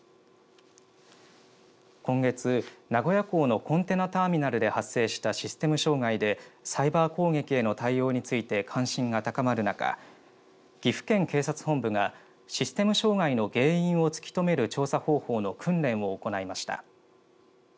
今月名古屋港のコンテナターミナルで発生したシステム障害でサイバー攻撃への対応について関心が高まる中岐阜県警察本部がシステム障害の原因を突き止める調査方法の訓練を行いました。